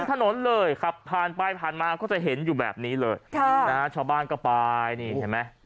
ถนนเลยขับผ่านไปผ่านมาก็จะเห็นอยู่แบบนี้เลยค่ะนะฮะชาวบ้านก็ไปนี่เห็นไหม